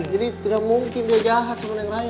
jadi tidak mungkin dia jahat sama neng raya